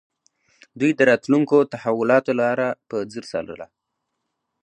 دوی د راتلونکو تحولاتو لاره په ځیر څارله